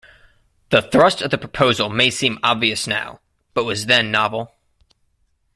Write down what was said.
The thrust of the proposal may seem obvious now, but was then novel.